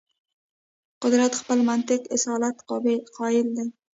قدرت خپل منطق اصالت قایل دی.